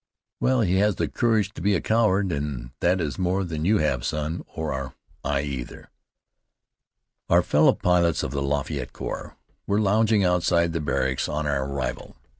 "Well, he has the courage to be a coward, and that is more than you have, son, or I either." Our fellow pilots of the Lafayette Corps were lounging outside the barracks on our arrival.